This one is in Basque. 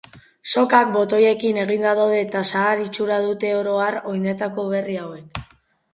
Sokak botoiekin eginda daude eta zahar itxura dute oro har oinetako berri hauek.